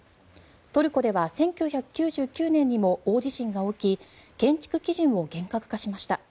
トルコでは１９９９年にも大地震が起き建築基準を厳格化しました。